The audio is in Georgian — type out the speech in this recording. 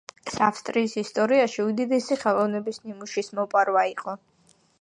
ეს ავსტრიის ისტორიაში უდიდესი ხელოვნების ნიმუშის მოპარვა იყო.